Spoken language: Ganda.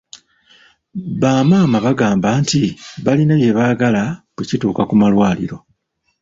Bamaama bagamba nti balina bye baagala bwe kituuka ku malwaliro.